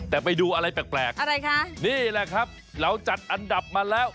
แต่ไปดูอะไรแปลกอะไรคะนี่แหละครับเราจัดอันดับมาแล้ว